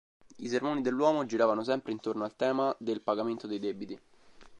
I sermoni dell'uomo giravano sempre intorno al tema del pagamento dei debiti.